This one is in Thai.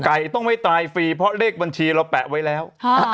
ต้องไม่ตายฟรีเพราะเลขบัญชีเราแปะไว้แล้ว